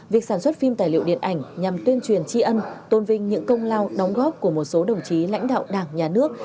việc sản xuất phim tài liệu điện ảnh nhằm tuyên truyền tri ân tôn vinh những công lao đóng góp của một số đồng chí lãnh đạo đảng nhà nước